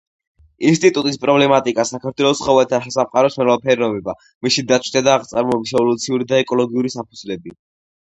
ინსტიტუტის პრობლემატიკა: საქართველოს ცხოველთა სამყაროს მრავალფეროვნება, მისი დაცვისა და აღწარმოების ევოლუციური და ეკოლოგიური საფუძვლები.